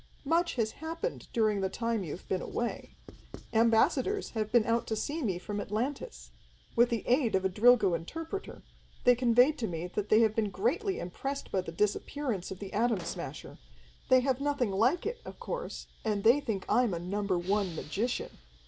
"Much has happened during the time you've been away. Ambassadors have been out to see me from Atlantis. With the aid of a Drilgo interpreter, they conveyed to me that they had been greatly impressed by the disappearance of the Atom Smasher. They have nothing like it, of course, and they think I'm a Number One magician.